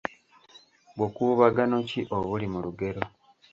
Bukuubagano ki obuli mu lugero?